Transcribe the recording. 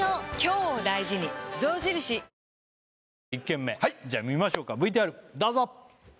１軒目じゃあ見ましょうかＶＴＲどうぞ！